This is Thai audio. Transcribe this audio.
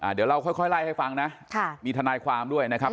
เดี๋ยวเราค่อยไล่ให้ฟังนะมีทนายความด้วยนะครับ